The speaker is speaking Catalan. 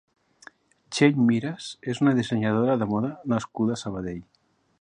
Txell Miras és una dissenyadora de moda nascuda a Sabadell.